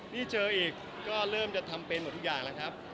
นี่เจออีกก็เริ่มจะทำเป็นหมดทุกอย่างแล้วครับ